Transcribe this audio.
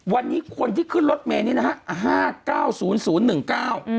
วันนี้คนที่ขึ้นรถเมนี่นะครับ๕๙๐๑๙